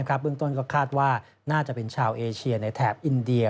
เบื้องต้นก็คาดว่าน่าจะเป็นชาวเอเชียในแถบอินเดีย